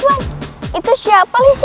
apaan itu siapa liz